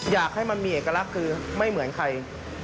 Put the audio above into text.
อยากให้มันมีเอกลักษณ์คือไม่เหมือนใคร